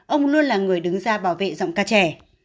ông luôn là người đứng ra bảo vệ giọng ca trẻ